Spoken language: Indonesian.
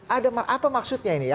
ada apa maksudnya ini